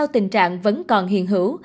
tình trạng vẫn còn hiện hữu